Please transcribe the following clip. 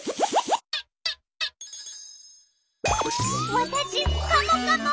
わたしカモカモ。